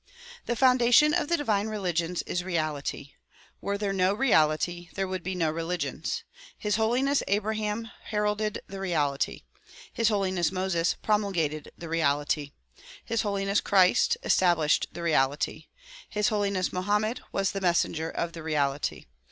The foundation of the divine religions is reality ; were there no reality there would be no religions. His Holiness Abraham her alded the reality. His Holiness Moses promulgated the reality. His Holiness Christ established the reality. His Holiness Mohammed was the messenger of the reality.